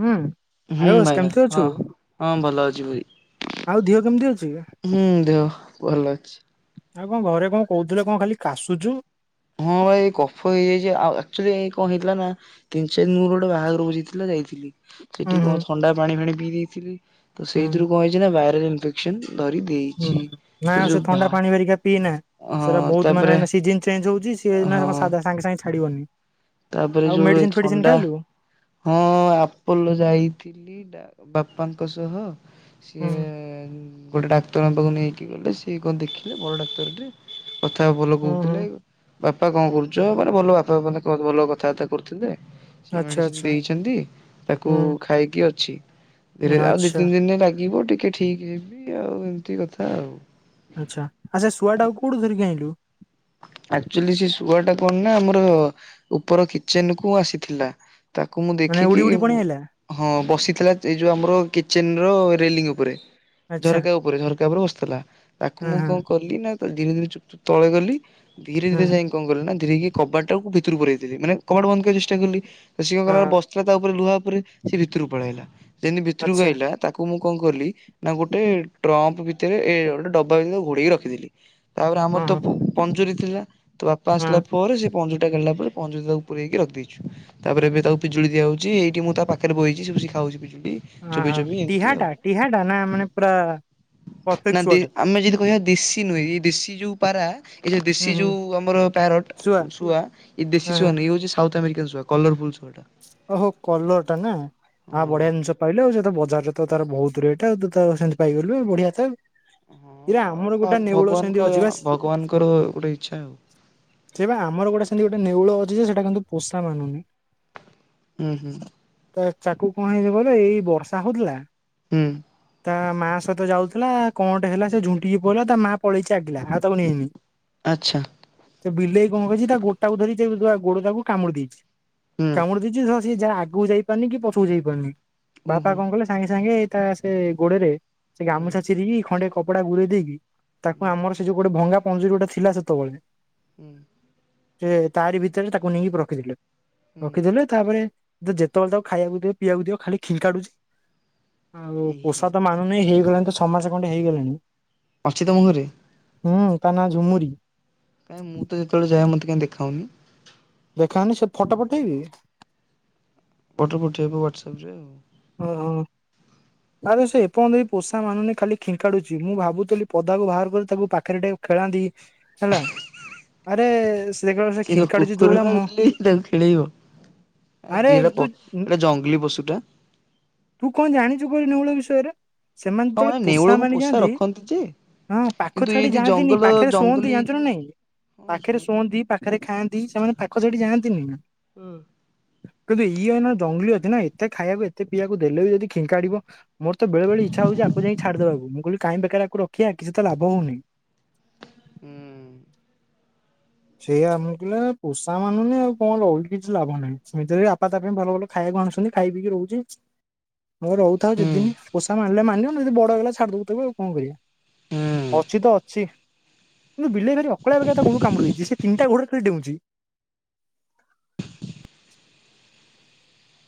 ହୁଁ ହୁଁ ଆୟୁଷ ଭାଇନା କେମତି ହଁ ଅଛୁ? ହଁ ଭଲ ଅଛି ଭାଇ ଆଉ ଦିହ କେମିତି ଅଛି? ହୁଁ ଦେହ ଭଲ ଅଛି। ଆଉ କଣ ଘରେ କଣ କହୁଥିଲେ କଣ ଖାଲି କାଶୁଛୁ। ହଁ ଭାଇ ଏଇ କଫ ହେଇଯାଇଛି ଆଉ ଆକ୍ଚୁଲି ଏଇ କଣ ହେଇଥିଲା ନାଁ ତିନ ଚାରି ଦିନ ମୋର ଗୋଟେ ବାହାଘର ଭୋଜି ଥିଲା ଯାଇଥିଲି। ଉଁ ସେଠି ହୁଁ କଣ ଥଣ୍ଡା ପାଣି ଫାଣି ପିଇ ଦେଇଥିଲି ତ ହୁଁ ସେଇଥିରୁ କଣ ହେଇଛି ନାଁ ଭାଇରାଲ୍ ଇନଫେକ୍ସନ୍। ହୁଁ ନାଁ ସେ ଥଣ୍ଡା ପାଣି ଘରିକା ପିଇନା। ସେଗୁରା ହଁ ବହୁତ ତାପରେ ମାନେ ସିଜନ୍ ଚେଞ୍ଜ୍ ହଉଛି ସିଏ ଏଇନା ହଁ କଁ ସାଦା ସାଙ୍ଗେ ସାଙ୍ଗେ ଛାଡିବନି। ତାପରେ ଆଉ ଯୋଉ ଏ ମେଡ଼ିସିନ୍ ଫେଡିସିନ୍ ଥଣ୍ଡା ଖାଇଲୁ? ହଁ ଆପଲ ଯାଇଥିଲି ଡ଼ା ବାପାଙ୍କ ସହ ହୁଁ ସିଏ ଗୋଟେ ଡାକ୍ତରଙ୍କ ପାଖକୁ ନେଇକି ଗଲେ ସିଏ କଣ ଦେଖିଲେ ବଡ଼ ଡାକ୍ତରଟେ। କଥା ଭଲ ହୁଁ ହୁଁ କହୁଥିଲେ ବାପା କଣ କରୁଛ ମାନେ ଭଲ ବାପା ମାନେ ଭଲ କଥାବାର୍ତ୍ତା କରୁଥିଲେ ସେ ଆଚ୍ଛା ମେଡ଼ିସିନ୍ ଆଚ୍ଛା ଦେଇଛନ୍ତି ତାକୁ ହୁଁ ଖାଇକି ଅଛି ଧୀରେ ହୁଁ ଆଉ ଦି ଆଚ୍ଛା ତିନି ଦିନ ଲାଗିବ ଟି ଟିକେ ଠିକ୍ ହେବି ଆଉ ଏମିତି କଥା ଆଉ। ଆଛା ଆ ସେ ଶୁଆଟାକୁ କୋଉଠୁ ଧରିକି ଆଇଁଲୁ? ଆକ୍ଚୁଲି ସେ ଶୁଆଟା କଣ ନାଁ ଆମର ଉପର କିଚେନ୍ କୁ ଆସିଥିଲା। ତାକୁ ମୁଁ ମାନେ ଉଡି ଦେଖିକି ଉଡି ପଳେଇ ହୁଁ। ଆଇଲା? ହଁ ବସିଥିଲା ଏଇ ଯୋଉ ଆମର କିଚେନ୍ ର ରେଲିଙ୍ଗ୍ ଉପରେ। ଆଚ୍ଛା ଝରକା ଉପରେ ଝରକା ଉପରେ ବସିଥିଲା ହଁ ତାକୁ ମୁଁ ହଁ କଣ କଲି ନାଁ ତା ଧୀରେ ଧୀରେ ଚୁପ୍ ଚୁପ୍ ତଳେ ଗଲି ଧୀରେ ହଁ ଧୀରେ ଯାଇଁ କି କଁ କଲି ନାଁ ଧୀରେକି କବାଟାକୁ ଭିତରୁ ପୁରେଇ ଦେଲି ମାନେ କବାଟ ବନ୍ଦ କରିଆକୁ ଚେଷ୍ଟା କଲି। ତ ସିଏ କଣ ହଁ କଲା ନାଁ ହଁ ବସି ଥିଲା ତା ଉପରେ ଲୁହା ଉପରେ ସିଏ ଭିତରକୁ ପଳେଇଆଇଲା ଯେମତି ଭିତରୁକୁ ଆଚ୍ଛା ଆଇଲା ତାକୁ ମୁଁ କଁ କଲି ନାଁ ଗୋଟେ ଟ୍ରମ୍ପ ଭିତରେ ଏ ଗୋଟେ ଡବା ଭିତରେ ଘୋଡେଇକି ରଖିଦେଲି। ତାପରେ ଆମର ହଁ ତ ହଁ ପ ପଞ୍ଜୁରୀ ଥିଲା ତ ବାପା ହଁ ଆସିଲା ପ ପରେ ସେ ପଞ୍ଜୁରୀଟା କଡିଲା ପରେ ପଞ୍ଜୁରୀରେ ତାକୁ ପୁରେଇକି ରଖିଦେଇଛୁ। ତାପରେ ଏବେ ତାକୁ ପିଜୁଳି ଦିଆହଉଛି ଏଇଟି ମୁଁ ତା ପାଖରେ ବଇଛି ସେ ଖାଉଛି ପିଜୁଳିଟିଏ। ଆହା ଟିହାଟା ଟିହାଟା ନା ମାନେ ପୁରା ନା ପତେକ୍ ଦେ ଶୁଆ ଟା। ଆମେ ଯଦି କହିବା ଦେଶି ନୁହେଁ ଏଇ ଦେଶୀ ଯୋଉ ପାରା ଏଇ ହୁଁ ଦେଶୀ ହୁଁ ଯୋଉ ଆମର ପ୍ୟାରୋଟ ଶୁଆ ଏଇ ହଁ ଦେଶୀ ହଁ ଶୁଆ ନୁଁହ ହଉଛି ସାଉଥ ଆମେରିକାନ୍ ଶୁଆ। କଲରଫୁଲ ଶୁଆଟା। ଓ ହୋ କଲରଟା ନା। ଆ ହଁ ବଢିଆ ଜିନିଷ ପାଇଲୁ ଆଉ ସେ ତ ବଜାରରେ ତାର ବହୁତ ରେଟ୍ ଆଉ ତୁ ତ ସେମତି ପାଇଗଲୁ ବଢିଆ ତ। ଏଇରେ ହଁ ଆମର ଗୋଟା ନେଉଳ ଭଗବାନଙ୍କ ସେମତି ଅଛି ବା ସ ଭଗବାନଙ୍କର ଗୋଟେ ଇଚ୍ଛା ଆଉ ସେ ଆମର ବା ଗୋଟେ ସେମତି ଗୋଟେ ନେଉଳ ଅଛି ସେଟା କିନ୍ତୁ ପୋଷା ମାନୁନି। ହୁଁ ହୁଁ। ତ ଚାକୁ କଣ ହେଇଯିବ ବ ଏଇ ବର୍ଷା ହଉଥିଲା। ହୁଁ। ତା ମା ସହିତ ଯାଉଥିଲା କଣଟେ ହେଲା ସେ ଝୁଣ୍ଟିକି ପଡିଲା ତା ମା ପଳେଇକି ଆଗିଲା ଆଉ ତାକୁ ନେଇନି। ଆଚ୍ଛା। ସେ ବିଲେଇ କଣ କହିଛି ତା ଗୋଟାକୁ ଧରି ସେ ଗୋଡ ତାକୁ କାମୁଡି ଦେଇଛି। ହୁଁ କାମୁଡ଼ି ଦେଇଛି ସିଏା ଆଗକୁ ଯାଇପାରୁନି କି ପଛକୁ ଯାଇପାରୁନି ବାପା ଓହୋ କଣ କଲେ? ସାଙ୍ଗେ ସାଙ୍ଗେ ତା ସେ ଗୋଡରେ ସେ ହୁଁ ଗାମୁଛା ଚିରିକି ଖଣ୍ଡେ କପଡା ଗୁରେଇଦେଇକି। ତାକୁ ହୁଁ ଆମର ସେ ଯୋଉ ଗୋଟେ ଭଙ୍ଗା ପଞ୍ଜୁରୀ ଗୋଟେ ଥିଲା ସେତେବେଳେ ହୁଁ। ସେ ତାରି ଭିତରେ ତାକୁ ନେଇକି ରଖିଥିଲେ। ହୁଁ ରଖିଦେଲେ ତାପରେ ଯେତେବେଳେ ତାକୁ ଖାଇବାକୁ ଦିଅ ପିଇବାକୁ ଦିଅ ଖାଲି ଖିଙ୍କାଡୁଛି। ଆଉ ଏହେ ପୋଷା ତ ମାନୁନି ହେଇଗଲାଣି ତ ଛଅ ମାସ ଖଣ୍ଡେ ହେଇଗଲାଣି। ଅଛି ତମ ଘରେ। ହୁଁ ତାର ନାଁ ଝୁମୁୁରି। କାଇଁ ମୁଁ ତ ଯେତେବେଳେ ଯାଏ ମତେ କାଇଁ ଦେଖାଉନି। ଦେଖାଅନି ସେ ଫଟୋ ପଠେଇବି। ଫଟୋ ପଠେଇବ ହ୍ୱାଟସଆପରେ ଆଉ ହଁ। ଆରେ ସେ ଏପର୍ଯ୍ୟନ୍ତ ପୋଷା ମାନୁନି ଖାଲି ଖିଙ୍କାଡୁଛି ମୁଁ ଭାବୁଥିଲି ପଦାକୁ ବାହାର କରି ତାକୁ ପାଖରେ ଟିକେ ଖେଳାନ୍ତି। ହେଲା ଆରେ ଦେଖିଲା ବେଳକୁ ସେ କଣ ଖିଙ୍କାଡୁଛି ଯୋଉ କୁକୁର ଭଳିଆ ନା ମ ବିଲେଇ ତାକୁ ଖେଳେଇବ। ଆରେ ଜିରାଫ ତୁ ଏଇଟା ଜଙ୍ଗଲୀ ପଶୁଟା। ତୁ କଣ ଜାଣିଛୁ କହିଲୁ ନେଉଳ ବିଷୟରେ ସେମାନେ ହଁ ଯେତେବେଳେ ମାନେ ପୋଷା ନେଉଳକୁ ମାନିଯାଆନ୍ତି। ରଖନ୍ତି ଯେ ହଁ କିନ୍ତୁ ପାଖ ଏ ଛାଡି ଯଦି ଯାଆନ୍ତିନି ଜଙ୍ଗଲ ପାଖରେ ଜଙ୍ଗଲୀ ଶୁଅନ୍ତି ଜାଣିଛୁ ହେଇଥିବ ନା ନାଇଁ। ଟିକେ ପାଖରେ ଶୁଅନ୍ତି ପାଖରେ ଖାଆନ୍ତି ସେମାନେ ପାଖ ଛାଡି ଯାଆନ୍ତିନି। ହୁଁ। କିନ୍ତୁ ଇଏ ହେନା ଜଙ୍ଗଲୀ ଅଛି ନା ଏତେ ଖାଇବାକୁ ଏତେ ପିଇବାକୁ ଦେଲେ ବି ଯଦି ଖିଙ୍କାଡିବ। ମୋର ତ ବେଳେବେଳେ ଇଛା ହଉଛି ଆକୁ ଯାଇକି ଛାଡିଦବାକୁ ମୁ କହିଲି କାହିଁ ବେକାର ଆକୁ ରଖିବା କିଛି ତ ଲାଭ ହଉନି। ହୁଁ। ସେଇଆ ଆମକୁ କହିଲେ ପୋଷା ମାନୁନି ଆଉ କଣ ଲାଭ କିଛି ଲାଭ ନାହିଁ ସେମିତିରେ ବାପା ତା ପାଇଁ ଭଲ ଭଲ ଖାଇବାକୁ ଆଣୁଛନ୍ତି ଖାଇ ପିଇକି ରହୁଛି। ହଉ ରହୁଥାଉ ହୁଁ ଯେତେଦିନ ପୋଷା ମାନିଲେ ମାନିବ ନହେଲେ ବଡ ହେଲା ଛାଡି ଦବୁ ଆଉ କଣ କରିବା? ହୁଁ ଅଛି ତ ଅଛି କିନ୍ତୁ ବିଲେଇ ଭାରି ଅକଳିଆରେ ଗୋଡକୁ କାମୁଡି ଦେଇଛି। ତିନଟା ଗୋଡ଼ରେ ଖାଲି ଡେଉଁଛି।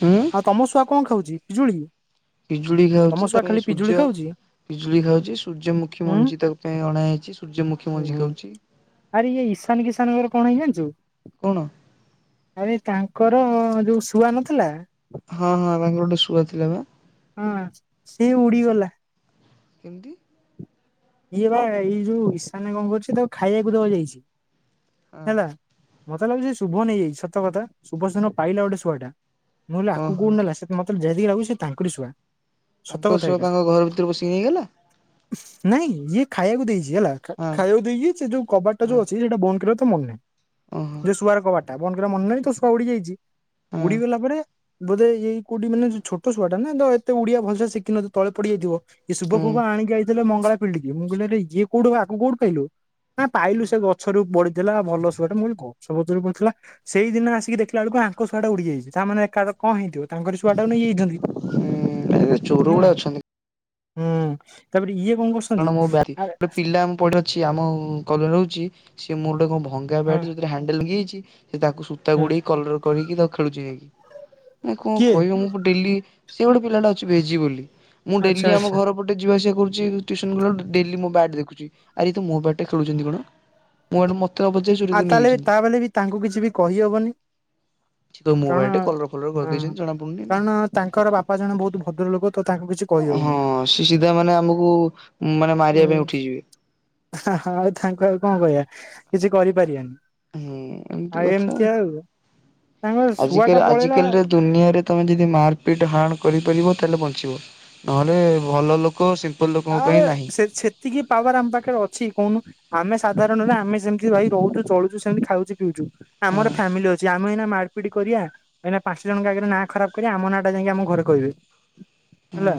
ହୁଁ ଆଉ ତମ ଶୁଆ କଣ ଖାଉଛି ପିଜୁଳି। ପିଜୁଳି ତମ ଖାଉଛି ତା ଶୁଆ ପାଇଁ ଖାଲି ପିଜୁଳି ସୂର୍ଯ୍ୟ ଖାଉଛି ପିଜୁଳି ଖାଉଛି ସୂର୍ଯ୍ୟମୁଖୀ ଉଁ ମଞ୍ଜି ତାଙ୍କ ପାଇଁ ଅଣାହୋଇଛି ସୂର୍ଯ୍ୟମୁଖୀ ଉଁ ମଞ୍ଜି ହୁଁ। ଖାଉଛି। ଆରେ ଇଏ ଇଶାନ କିସାନଙ୍କର କଣ ହେଇଚି ଜାଣିଛୁ? କଣ? ଆରେ ତାଙ୍କର ଯୋଉ ଶୁଆ ନଥିଲା। ହଁ ହଁ ତାଙ୍କର ଗୋଟେ ଶୁଆ ଥିଲା ବା। ହଁ ସିଏ ଉଡି ଗଲା। କେମିତି। ଇଏ ବା ଏଇ ଯୋଉ ଈଶାନି କଁ କରୁଛି ତାକୁ ଖାଇବାକୁ ଦବା କୁ ଯାଇଛି ହଁ ହେଲା। ମତେ ଲାଗୁଛି ସେ ଶୁଭ ନେଇ ଯାଇଛି ସତ କଥା ଶୁଭ ସେ ଦିନ ପାଇଲା ଗୋଟେ ଶୁଆ ଟା ମୁଁ ଭାବିଲି ଆକୁ ଓହୋ। କୋଉଠି ନେଲା। ମତେ ଯେହେତିକି ଲାଗୁ ସେ ତାଙ୍କରି ଶୁଆ। ସତ ତାଙ୍କ କଥା ଶୁଆ ଏଇଟା ତାଙ୍କ ଘର ଭିତରେ ପସିକି ନେଇଗଲା। ନାଇଁ ଇଏ ଖାଇବାକୁ ଦେଇଛି ହେଲା ଖା ହଁ ଖାଇବାକୁ ଦେଇକି ସେ ଯୋଉ କବାଟା ହଁ ଯୋଉ ଅଛି ସେଇଟା ବନ୍ଦ କରିବାକୁ। ତ ମନେ ଓହୋ ନାହିଁ ଯେ ଶୁଆର କବାଟା ବନ୍ଦ କରିବାକୁ ମନେ ନାହିଁ ତ ଶୁଆ ଉଡି ଯାଇଛି ହଁ। ଉଡିଗଲା ପରେ। ବୋଧେ ଏଇ କୋଉଠି ମାନେ ଛୋଟ ଛୁଆଟା ନା ତ ଏତେ ଓଡିଆ ଭଲସେ ଶିଖିନଥିବ ତଳେ ପଡିଯାଇଥିବ। ଇଏ ଶୁଭ ହୁଁ ଫୁଭ ଆଣିକି ଆଇଥିଲେ ମଙ୍ଗଳା ଫିଲ୍ଡ କି ମୁଁ କହିଲି ଆରେ ଇଏ କୋଉଠୁ ଆକୁ କୋଉଠୁ ପାଇଲୁ। ନା ପାଇଲୁ ହୁଁ ସେ ଗଛରୁ ପଡିିଥିଲା ଭଲ ଶୁଆଟେ ମୁଁ କହିଲି ଗଛ ଫଛରୁ ପଡିଥିଲା। ସେଇଦିନ ଆସି କି ଦେଖିଲା ବେଳକୁ ଆଙ୍କ ଶୁଆ ଟା ଉଡି ଯାଇଛି ତା ମାନେ ଏକା କ କଁ ହେଇଥିବ ତାଙ୍କରି ଶୁଆ ଟାକୁ ନେଇ ଯାଇଛନ୍ତି ଏ ଚୋର ଗୁଡା ହୁଁ। ଅଛନ୍ତି। ହୁଁ ତାପରେ ଇଏ କଣ କରୁଛ କାରଣ ମୋ ବାରି ଗୋଟେ ପିଲା ଙ୍କୁ ପଢେଇ ସିଏ ଆମ ଘରେ ଜଣେ ରହୁଛି ସିଏ ମୋର ଗୋଟେ କଣ ଭଙ୍ଗା ହଁ ବ୍ୟାଟରେ ଯୋଉଥିରେ ହାଣ୍ଡେଲେ ‌ଭାଙ୍ଗି ଯାଇଛି। ସିଏ ତାକୁ ସୂତା ହଁ ଗୁଡେଇ କଲର କରିକି ତାକୁ ଖେଳୁଛି ଯାଇକି। ମୁଁ କଣ କିଏ କହିବ ମୁଁ ପୁ ଡେଲି ସେ ଗୋଟେ ପିଲାଟା ଅଛି ବେଜି ବୋଲି ମୁଁ ଆଚ୍ଛା ଡେଲି ଆମ ଆଚ୍ଛା ଘର। ପଟେ ଯିବା ଆସିବା କରୁଛି। ଟ୍ୟୁସନ ଗଲା ବେଳକୁ ଡେଲି ମୋ ବ୍ୟାଟ ଦେଖୁଛି ‌ଆରେ ଇଏ ତ ମୋ ବ୍ୟାଟ ଟା ଖେଲୁଛନ୍ତି କଣ ମୁଁ ହେଠୁ ମ ତାକୁ ପଚାରୁଛି। ଆଉ ତାହେଲେ ବି ତା ବଲେ ବି ତାଙ୍କୁ କିଛି ବି କହିହବନି। ସେ କହିବ ମୋ କାରଣ ବ୍ୟାଟ କଲର ଫଲର ହଁ କରିଦେଇଛନ୍ତି ଜଣା ପଡୁନି ନା। କାରଣ ତାଙ୍କର ବାପା ଜଣେ ବହୁତ ଭଦ୍ରଲୋକ। ତ ତାଙ୍କୁ କିଛି ହଁ କହିହଉନି। ସେ ସିଧା ମାନେ ଆମକୁ ମାନେ ମାରିବା ପାଇଁ ଉଠିଯିବେ। ହାଁ ହଁ ଆଉ ତାଙ୍କୁ ଆଉ କଁ କହିବା କିଛି କରି ପାରିବାନି। ଆଉ ଏମିତି ଆଉ ତାଙ୍କ ଶୁଆ ଆଜିକାଲି ଟା ପଳେଇଲା। ଆଜିକାଲିର ଦୁନିଆରେ ତମେ ଯଦି ମାରପିଟ୍ ହାଣ କରିପାରିବ ତାହେଲେ ବଞ୍ଚିବ। ନହଲେ ଭଲ ଲୋକ ସେମ ଆରେ ସେ ସେ ସେତିିକି ପାୱାର ଆମ ପାଖରେ ଅଛି କହୁନୁ। ଆମେ ସାଧାରଣରେ ଆମେ ସେମିତି ଭାଇ ରହୁଛୁ ଚଳୁଛୁ ସେମିତି ଖାଉଛେ। ହଁ ଆମର ଫ୍ୟାମିଲି ଅଛି ଆମେ ଏଇନା ମାଡ ପିଟ କରିବା ଏଇନା ପାଞ୍ଚ ଜଣଙ୍କ ଆଗରେ ନାଁ ଖରାପ କରିବା ଆମ ନାଁ ଟା ଯାଇକି ଆମ ଘରେ କହିବେ। ହଁ ହେଲା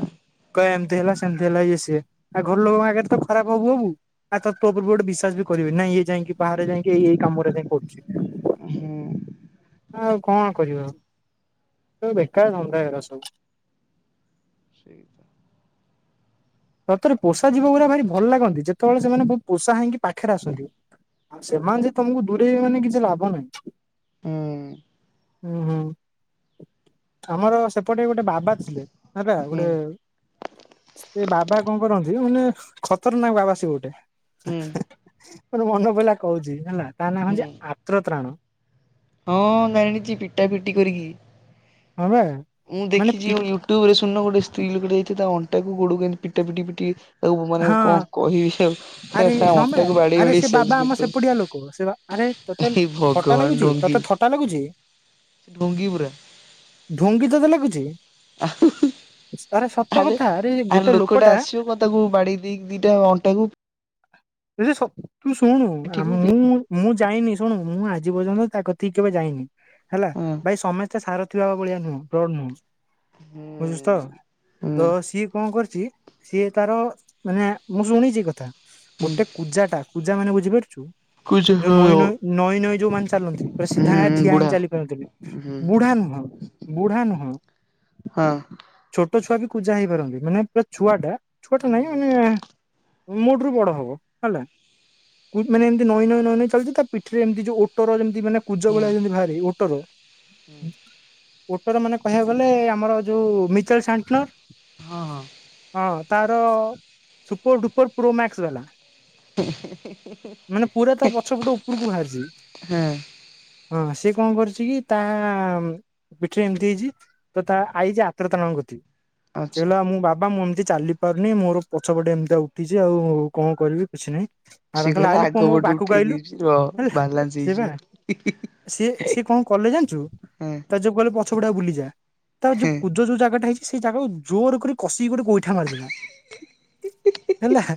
କହିବେ ଏମିତି ହେଲା ସେମିତି ହେଲା ଇଏ ସିଏ ଆଉ ଘର ଲୋକଙ୍କ ଆଗରେ ତ ଖରାପ ହବୁ ହବୁ। ଆଉ ତୋ ‌ତୋ ଉପରେ ବି ଗୋଟେ ବିଶ୍ୱାସ ବି କରିବେନି ନାଁଇ ଇଏ ଯାଇକି ବାହାରେ ଯାଇକି ଏଇ ଏଇ କାମରା ଯାଇ କରୁଛି। ହୁଁ ହୁଁ। ଆଉ କଣ କରିବ ସବୁ ବେକାର ଧନ୍ଦା ଏଗୁରା ସବୁ। ସେଇ କଥା। ସତରେ ପୋଷା ଯିବ ଗୁରା ଭାରି ଭଲ ଲାଗନ୍ତି। ଯେତେବେଳେ ସେମାନେ ବହୁତ ପୋଷା ହେଇକି ପାଖରେ ଆସନ୍ତି। ଆଉ ସେମାନେ ଯଦି ତମକୁ ଦୂରେଇ ରହିବେ ମାନେ କିଛି ଲାଭ ନାହିଁ। ହୁଁ। ହୁଁ ହୁଁ ଆମର ସେପଟେ ଗୋଟେ ବାବା ଥିଲେ ହେଲ ହୁଁ ଗୋଟେ। ଏ ବାବା କଣ କରନ୍ତି ମାନେ ଖତରନାକ ବାବା ସିଏ ଗୋଟେ। ହୁଁ। ମୋର ମନେ ପଇଲା କହୁଛି ହେଲା ତା ନାଁ ହୁଁ ହଉଛି ଆତ୍ରତ୍ରାଣ। ହଁ ଜାଣିଚି ପିଟା ପିଟି କରିକି। ହଁ ବା। ମୁଁ ମାନେ ଦେଖିଚି ପି ଯୋଉ ୟୁଟ୍ୟୁବ ରେ ଶୁଣୁନ ଗୋଟେ ସ୍ତ୍ରୀ ଲୋକଟେ ଯାଇଥିବ ତା ଅଣ୍ଟାକୁ ଗୋଡ଼କୁ ଏମତି ପିଟା ପିଟି ପିଟି। ତାକୁ ମୁଁ ମାନେ ହଁ କଣ କହିବି ଆଉ ଆରେ [unintelligible] ତା ହଁ ବା ଅଣ୍ଟାକୁ ବାଡ଼େଇ ଆରେ ସେ ବାଡ଼େଇ ସାଇଜ୍ ବାବା ଆମ ସେପଟିଆ ଲୋକ ସେ କରିଦେବି। ଆରେ ତତେ ଥଟା ଲାଗୁଛି କି ତତେ ଥଟା ଲାଗୁଛି। ଡୁଙ୍ଗୀ ବୁରେ। ଢୁଙ୍ଗି ତତେ ଲାଗୁଛି ଆରେ ସ ତ କଥା ଆରେ ଇଏ ଗୋଟେ ଲୋକଟା ତୁ ପା ତାକୁ ବାଡ଼େଇ ଦେଇକି ଦିଇଟା ଅଣ୍ଟାକୁ ଏ ଯେ ସ ତୁ ଶୁଣୁ ଆ ପିଠିକୁ ମୁଁ ମୁଁ ମୁଁ ଯାଇନି ଶୁଣୁ ମୁଁ ଆଜି ପର୍ଯ୍ୟନ୍ତ ତା କତିକି କେବେ ଯାଇନି ହେଲା ହଁ। ଭାଇ ସମେସ୍ ଥେ ସାରଥି ବାବା ଭଳିଆ ନୁହୁଁ ଫ୍ରଡ ନୁହୁଁ। ହୁଁ। ବୁଝୁଚୁ ତ ତ ହୁଁ ସିଏ କଣ କରିଚି ସିଏ ତାର ମାନେ ମୁଁ ଶୁଣିଛି ଏ କଥା, ହୁଁ ଗୋଟେ କୂଜା ଟା କୂଜା ମାନେ ବୁଝିପାରୁଛୁ? କୁଛ ଯୋଉ ନଇଁ ହୁଁ ନଇଁ ନଇଁ ନଇଁ ଯୋଉ ମାନ ଚାଲନ୍ତି, ପୁରା ସିଧା ଠିଆ ବୁଢା ହେଇଁ ଚାଲିପାରନ୍ତୀନି। ହୁଁ ବୁଢ଼ା ନୁହଁ ବୁଢ଼ା ନୁହଁ। ହଁ। ଛୋଟ ଛୁଆ ବି କୁଜା ହେଇ ପାରନ୍ତି, ମାନେ ପୁରା ଛୁଆ ଟା ଛୁଆଟା ହୁଁ ନାହିଁ। ହୁଁ। ଏଁ ମୋଠୁ ରୁ ବଡ଼ ହବ ହେଲା। କୁ ମାନେ ଏମିତି ନଈ ନଇଁ ନଇଁ ନଇଁ ଚାଲିଛି। ତା ପିଠୀରେ ଏମିତି ଯୋଉ ଓଟର ଯେମିତି ମାନେ କୁଜ ହୁଁ ଭଳିଆ ଯେମିତି ବାହାରେ ଓଟର। ଓଟୋର ମାନେ କହିବାକୁ ଗଲେ ଆମର ଯୋଉ ମିିଚେଲ ହଁ ହଁ ସାଣ୍ଟନର। ହଁ ତାର ସୁପର ଡୁପର ପ୍ରୋ ମ୍ୟାକ୍ସ ବାଲା। ମାନେ ପୁରା ତା ପଛ ପଟୁ ଉପରକୁ ବାହାରିଛି। ହଁ ହଁ ସିଏ କଣ କରୁଛି କି ତା ମ୍ ପିଠୀରେ ଏମିତି ହେଇଛି। ତ ତା ଆଇଛି ଆତ୍ରତାଣଙ୍କ କତିକି। ସେ ଆଚ୍ଛା। କହିଲା ମୁଁ ବାବା ମୁଁ ଏମିତି ଚାଲି ପାରୁନି ମୋର ପଛପଟେ ଏମିତିଆ ଉଠିଛି ଆଉ କଣ କରିବି କିଛି ନାହିଁ। ବାବା ସିଏ କହିଲେ କହିଲା ଆଇଲୁ ପୁଅ ଆଗ ମୋ ପଟେ ପାଖକୁ ଉଠେଇ ଆଇଲୁ ଦେଇଛି ରୁହ ହେଲା ବାଲାନ୍ସ ସେ ବା ହେଇଯିବ। ସିଏ ସିଏ କଣ କଲେ ଜାଣିଛୁ, ହଁ ତା ଯୋଉ କହିଲେ ପ ଛ ପଟିଆ ବୁଲିଯା, ତାର ଯୋଉ ହଁ କୁଜ ଯୋଉ ଜାଗାଟା ହେଇଛି ସେଇ ଜାଗାକୁ ଜୋର କରି କଷିକି ଗୋଟେ ଗୋଇଠା ମାରିଦେଲା। [inaudible] ହେଲା।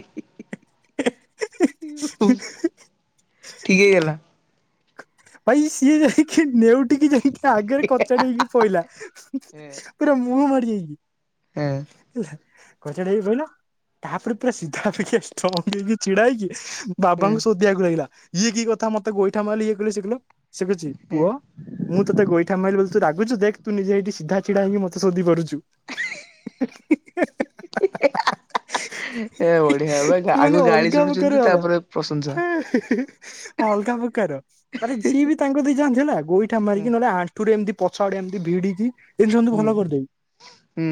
ଇହିଃ ହୋଃ ଠିକ ହେଇ ଗଲା? ଭାଇ ସିଏ ଯାଇକି ନେଉଟିକି ଯାଇକି ଆଗରେ କଚାଡ଼ି ହେଇକି ପଇଲା। ପୁରା ମୁହଁ ମାଡ଼ି ହେଇକି। ହ। କଚାଡ଼ି ହେଇକି ପଇଲ। ତାପରେ ପୁରା ସିଧା ଅପେକ୍ଷା ଷ୍ଟ୍ରଙ୍ଗ ହେଇକି ଛିଡ଼ା ହେଇକି ବାବାଙ୍କୁ ସୋଧିବାକୁ ଲାଗିଲା, ଇଏ କି କଥା ମତେ ଗୋଇଠା ମାଇଲ ଇଏ କଲ ସିଏ କଲ। ସିଏ କହୁଛି ପୁଅ ମୁଁ ତତେ ଗୋଇଠା ମାଇଲି ବୋଲି ତୁ ରାଗୁଛୁ। ଦେଖ ତୁ ନିଜେ ଏଠି ସିଧା ଛିଡ଼ା ହେଇକି ମତେ ସୋଧି ପାରୁଚୁ। ଏ ବଢିଆ ବା [unintelligible] ଆଗ ମାନେ ଗାଳି ଅଲଗା ଶୁଣୁଛନ୍ତି ପ୍ରକାର ବାବା ତାପରେ ପ୍ରଶଂସା। ହାଁ ହେ ହେ। ଅଲଗା ପ୍ରକାର, ମାନେ ଯିଏ ବି ତାଙ୍କ କତିକି ଯାଆନ୍ତି ହେଲା। ଗୋଇଠା ହୁଁ ମାରିକି ନହେଲେ ଆ ଣ୍ଠୁରେ ଏମିତି ପଛ ଆଡ଼େ ଏମିତି ଭିଡି଼କି ଏମିତି ସମସ୍ତଙ୍କୁ ହୁଁ ଭଲ କରିଦୋଉ। ହୁଁ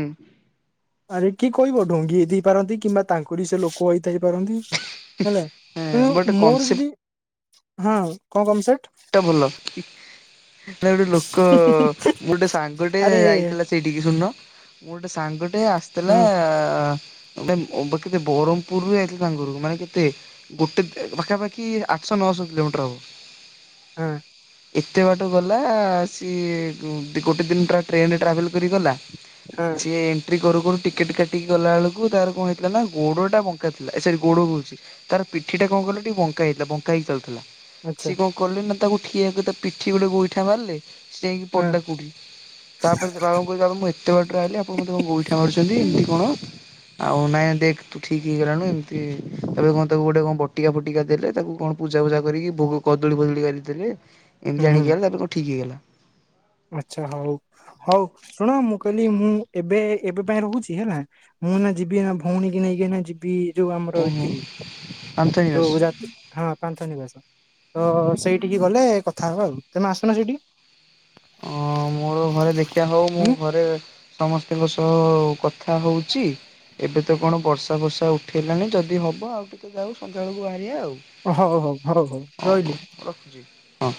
ଆରେ କିଏ କହିବ ଡଙ୍ଗି ହେଇ ଥାଇ ପାରନ୍ତି, କିମ୍ବା ତାଙ୍କରି ସେ ଲୋକ ହେଇଥାଇ ପାରନ୍ତି। ହେଲା ଗୋଟେ କିନ୍ତୁ ମୋର କନସେପ୍ଟ ଯଦି ହଁ କଣ କନସେଟ୍? ଟା ଭଲ, ନା ଗୋଟେ ଲୋକ ଗୋଟେ ସାଙ୍ଗଟେ ଆରେ ଆଇଥିଲା ସେଇଠିକି ଶୁଣୁନ ମୋର ଗୋଟେ ସାଙ୍ଗ ଟେ ଆସିଥିଲା ହଁ [unintelligible] ଅ ବ କେତେ ବରହ୍ମପୁରୁରୁ ଯାଇଥିଲେ ତାଙ୍କ ଘରକୁ ମାନେ କେତେ ଗୋଟେ [unintelligible] ପାଖାପାଖି ଆଠଶହ ନଅଶହ କିଲୋମିଟର ହବ। ହଁ। ଏତେ ବାଟ ଗଲା ସିଏ ଗୋଟେ ଗୋଟେ ଦିନ ଟା ଟ୍ରେନେ ଟ୍ରାଭେଲ କରି ଗଲା। ହଁ। ସିଏ ଏଣ୍ଟ୍ରି କରୁ କରୁ ଟିକେଟ୍ କାଟିକି ଗଲାବେେଳକୁ ତାର କଣ ହେଇଥିଲା ନା ଗୋଡ଼ଟା ବଙ୍କା ଥିଲା। ଏ ସରି ଗୋଡ଼ କହୁଛି। ତାର ପିଠି ଟା କଣ କହିଲ ଟିକେ ବଙ୍କା ହେଇଥିଲା ବଙ୍କା ହେଇ ଚାଲୁଥିଲା। ଆଚ୍ଛା ସିଏ କଣ କଲେ ନା ତାକୁ ଠିଆକୁ ତା ପିଠିକି ଗୋଟେ ଗୋଇଠା ମାରିଲେ। ସେ ହେଇ ହଁ ପଡିଲା କୋଉଠି ତାପରେ ଦେଖିଲା ବେଳକୁ ମୁଁ ଏତେ ବାଟରୁ ଆଇଲି ଓ ମତେ କଣ ଗୋଇଠା ମାରୁଛନ୍ତି ଏମିତି ହୁଁ କଣ? ଆଉ ନାଇଁ ଦେଖ ତୁ ଠିକ୍ ହେଇଗଲୁଣି। ଏମିତି ଏ କଣ ତାକୁ ଗୋଟେ କଣ ବଟିକା ଫଟିକା ଦେଲେ ତାକୁ କଣ ପୂଜା ଫୁଜା କରିକି ଭୋଗ କଦଳୀ ଫଦଳି ଆଣିକି ଦେଲେ। ଏମିତି ହୁଁ ଆଣିକି ଆଇଲା ତାପରେ କଣ ଠିକ୍ ହେଇଗଲା। ଆଚ୍ଛା ହଉ ହଉ ଶୁଣ, ମୁଁ କହିଲି ମୁଁ ଏବେ ଏବେ ପାଇଁ ରହୁଛି ହେଲା। ମୁଁ ନା ଯିବି ନା ଭଉଣୀ କି ନେଇକି ନା ଯିବି ଯୋଉ ଆମର ଓହୋ ଏଇଠି ଆନ୍ଥୋନୀ ଦାସ ଯୋଉ ଯା ହଁ ପାନ୍ଥ ନିବାସ ତ ସେଇଠିକି ଗଲେ କଥା ହବା ଆଉ ତମେ ଆସୁନ ସେଇଠିକି। ଅଁ ମୋର ଘରେ ଦେଖିବା ହଉ ମୁଁ ହୁଁ ଘରେ ସମସ୍ତିଙ୍କ ସହ କ ଥା ହଉଚି? ଏବେ ତ କଣ ବର୍ଷା ଫର୍ଷା ଉଠାଇଲାଣି ଯଦି ହେବ ଆଉ ଟିକେ ଯାଉ ସନ୍ଧ୍ୟାବେଳକୁ ବାହାରିବା ଆଉ। ହଉ ହଉ ହଉ ହଉ ରହିଲି। ହଉ ରଖୁଛି ହଁ।